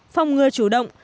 phòng ngừa chủ động